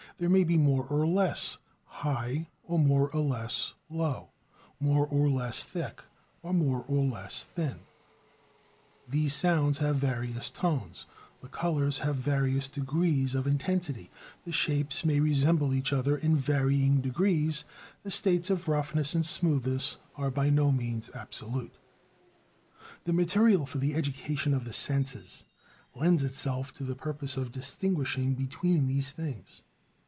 They may be more or less high or more or less low, more or less thick or more or less thin; the sounds have various tones; the colors have various degrees of intensity; the shapes may resemble each other in varying degrees; the states of roughness and smoothness are by no means absolute. The material for the education of the senses lends itself to the purpose of distinguishing between these things.